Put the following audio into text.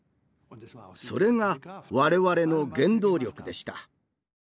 それが我々の原動力でした。